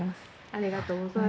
ありがとうございます